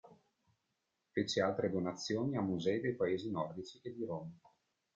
Fece altre donazioni a musei dei paesi nordici e di Roma.